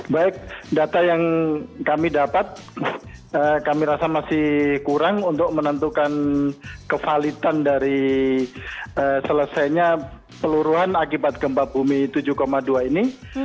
baik data yang kami dapat kami rasa masih kurang untuk menentukan kevalitan dari selesainya peluruhan akibat gempa bumi tujuh dua ini